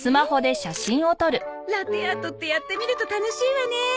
ラテアートってやってみると楽しいわね。